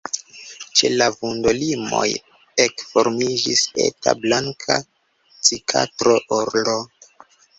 Ĉe la vundolimoj ekformiĝis eta blanka cikatro-orlo.